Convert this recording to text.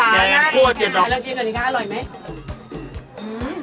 เราชิมกันดีกันค่ะอร่อยไหม